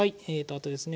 あとですね